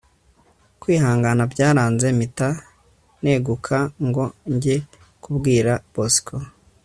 kwihangana byaranze mpita neguka ngo njye kubwira bosco